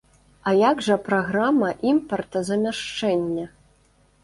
А як жа праграма імпартазамяшчэння?